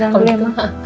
jalan dulu ya